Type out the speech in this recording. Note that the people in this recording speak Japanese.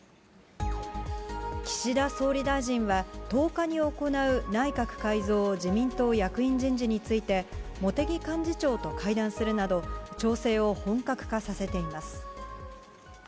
岸田総理大臣は、１０日に行う内閣改造・自民党役員人事について、茂木幹事長と会談するなど、調整を本格化させています。